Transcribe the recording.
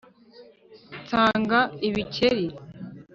nsanga ibikeri